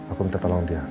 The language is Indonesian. aku minta tolong dia